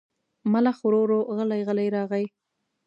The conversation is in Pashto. ملخ ورو ورو غلی غلی راغی.